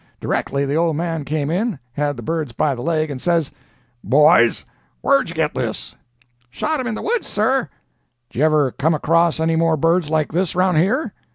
Directly the old man came in—had the bird by the leg and says: "'Boys, where'd you get this?' "'Shot him in the woods, sir.' "'Did you ever come across any more birds like this around here?'